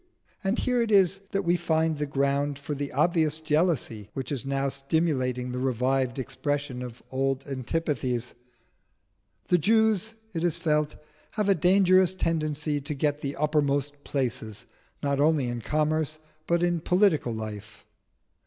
And here it is that we find the ground for the obvious jealousy which is now stimulating the revived expression of old antipathies. "The Jews," it is felt, "have a dangerous tendency to get the uppermost places not only in commerce but in political life.